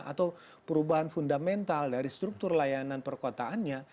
atau perubahan fundamental dari struktur layanan perkotaannya